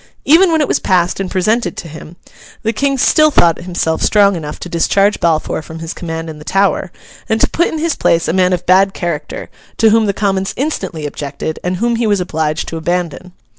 Even when it was passed and presented to him, the King still thought himself strong enough to discharge Balfour from his command in the Tower, and to put in his place a man of bad character; to whom the Commons instantly objected, and whom he was obliged to abandon.